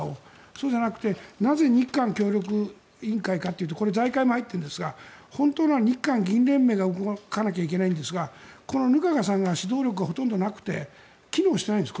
そうじゃなくてなぜ日韓協力委員会かというとこれは財界も入っているんですが本当は日韓議員連盟が動かなきゃいけないんですが額賀さんが指導力がほとんどなくて機能してないんです